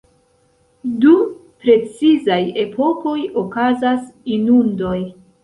Dum precizaj epokoj okazas inundoj.